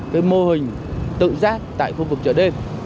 cái mô hình tự giác tại khu vực chợ đêm